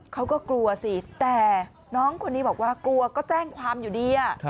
เขาก็กลัวสิแต่น้องคนนี้บอกว่ากลัวก็แจ้งความอยู่ดี